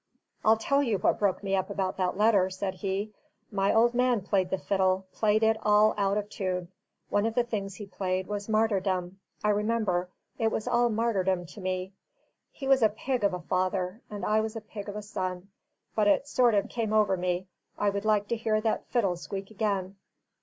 "I'll tell you what broke me up about that letter," said he. "My old man played the fiddle, played it all out of tune: one of the things he played was Martyrdom, I remember it was all martyrdom to me. He was a pig of a father, and I was a pig of a son; but it sort of came over me I would like to hear that fiddle squeak again.